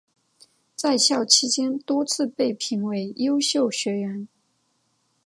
在校期间多次被评为优秀学员。